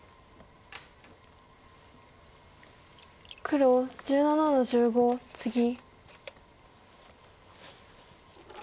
黒１７の十五ツギ。